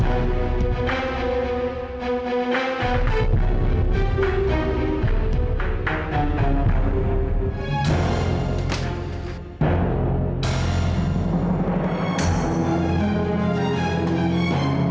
ayo kita pergi dari sini sekarang